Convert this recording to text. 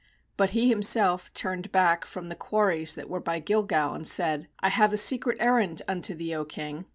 19But he him self turned back from the quarries that were by Gilgal, and said: 'I have a secret errand unto thee, O king.'